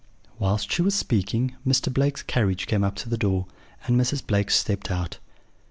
"Whilst she was speaking Mr. Blake's carriage came up to the door, and Mrs. Blake stepped out.